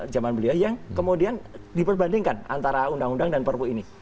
zaman beliau yang kemudian diperbandingkan antara undang undang dan perpu ini